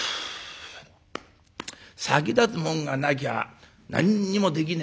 「先立つもんがなきゃ何にもできねえけどもね。